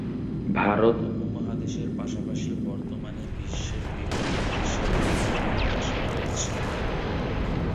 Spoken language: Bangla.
ভারত উপমহাদেশের পাশাপাশি বর্তমানে বিশ্বের বিভিন্ন দেশেও কওমি মাদ্রাসা রয়েছে।